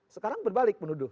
sekarang berbalik penuduh